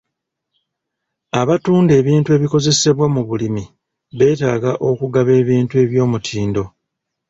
Abatunda ebintu ebikozesebwa mu bulimi beetaaga okugaba ebintu eby'omutindo.